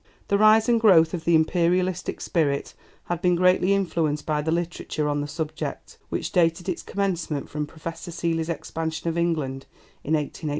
The rise and growth of the Imperialistic spirit has been greatly influenced by the literature on the subject, which dated its commencement from Professor Seeley's Expansion of England in 1883.